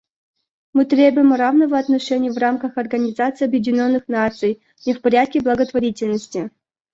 Мы требуем равного отношения в рамках Организации Объединенных Наций не в порядке благотворительности.